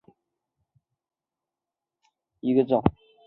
东京鳞毛蕨为鳞毛蕨科鳞毛蕨属下的一个种。